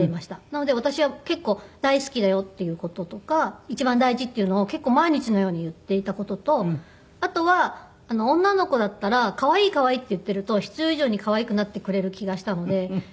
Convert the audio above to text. なので私は結構「大好きだよ」っていう事とか一番大事っていうのを結構毎日のように言っていた事とあとは女の子だったら可愛い可愛いって言っていると必要以上に可愛くなってくれる気がしたので。